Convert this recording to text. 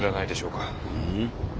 うん？